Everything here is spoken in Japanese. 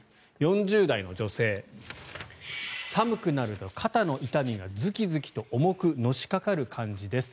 ４０代女性寒くなると肩の痛みがズキズキと重くのしかかる感じです。